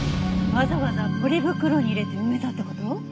わざわざポリ袋に入れて埋めたって事？